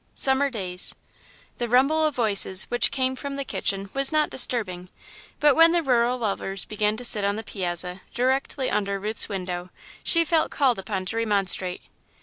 Summer Days The rumble of voices which came from the kitchen was not disturbing, but when the rural lovers began to sit on the piazza, directly under Ruth's window, she felt called upon to remonstrate.